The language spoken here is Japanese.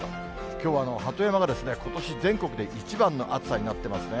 きょうは鳩山がことし全国で一番の暑さになってますね。